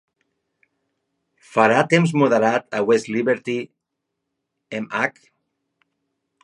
Farà temps moderat a West Liberty, MH?